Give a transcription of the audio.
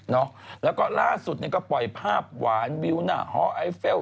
แล้วก็ล่าสุดเนี่ยก็ปล่อยภาพหวานวิวหน้าฮอไอเฟล